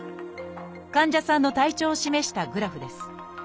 患者さんの体調を示したグラフです。